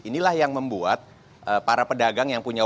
inilah yang membuat para pedagang yang punya